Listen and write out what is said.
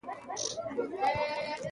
عدالت د ټولنې د ګډ ژوند ملاتړ کوي.